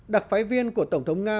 đặc phái viên của tổng thống nga